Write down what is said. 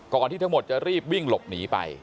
ที่ทั้งหมดจะรีบวิ่งหลบหนีไป